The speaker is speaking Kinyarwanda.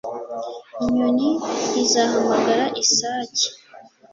inyoni ntizahamagara isake